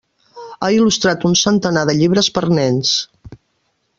Ha il·lustrat un centenar de llibres per nens.